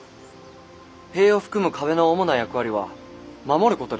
塀を含む壁の主な役割は守ることですから。